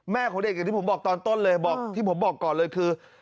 ของเด็กอย่างที่ผมบอกตอนต้นเลยบอกที่ผมบอกก่อนเลยคือ